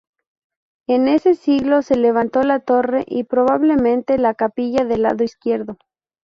En ese siglo se levantó la torre y, probablemente, la capilla del lado izquierdo.